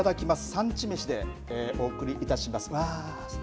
産地めしでお送りいたします。